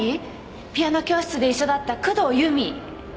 ピアノ教室で一緒だった工藤由美。